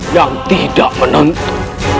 yang tidak menentu